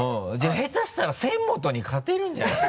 下手したら仙本に勝てるんじゃないの？